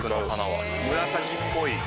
紫っぽい。